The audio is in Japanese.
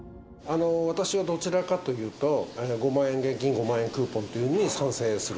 私はどちらかというと、５万円現金、５万円クーポンというのに賛成する。